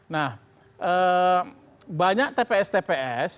nah banyak tps tps